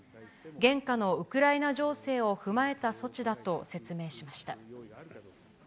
現下のウクライナ情勢を踏まえた措置だと説明しました。